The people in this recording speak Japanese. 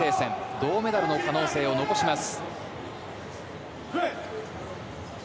銅メダルの可能性を残します。